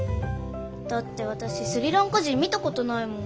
だって私スリランカ人見たことないもん。